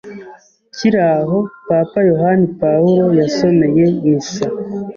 Kiri aho Papa Yohani Paulo yasomeye misa,